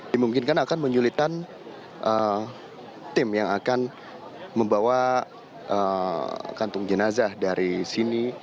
dimungkinkan akan menyulitkan tim yang akan membawa kantung jenazah dari sini